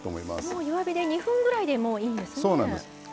もう弱火で２分ぐらいでもういいんですね。